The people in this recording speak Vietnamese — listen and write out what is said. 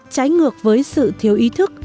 trái ngược với sự thiếu ý thức